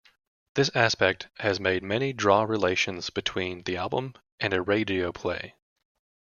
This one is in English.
This aspect has made many draw relations between the album and a radio play.